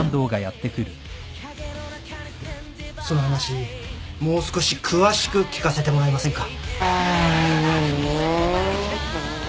・その話もう少し詳しく聞かせてもらえませんか？